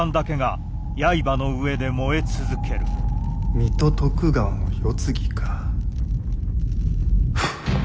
水戸徳川の世継ぎか。